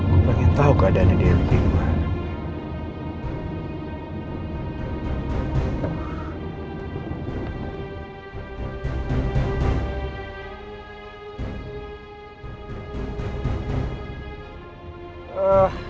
gua pengen tau keadaannya dia begini mana